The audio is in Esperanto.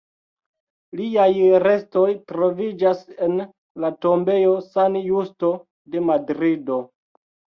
Liaj restoj troviĝas en la tombejo San Justo de Madrido.